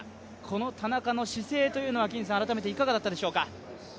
この田中の姿勢というのは改めていかがだったでしょうか。